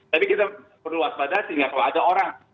tapi kita perlu waspada sehingga kalau ada orang